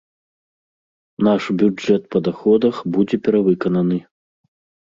Наш бюджэт па даходах будзе перавыкананы.